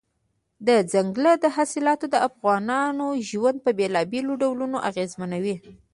دځنګل حاصلات د افغانانو ژوند په بېلابېلو ډولونو اغېزمنوي.